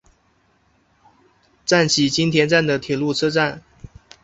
赞岐津田站的铁路车站。